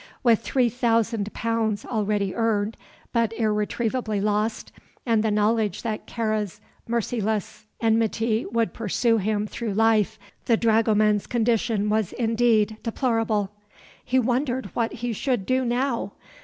With three thousand pounds already earned but irretrievably lost, and the knowledge that Kāra's merciless enmity would pursue him through life, the dragoman's condition was indeed deplorable. He wondered what he should do now.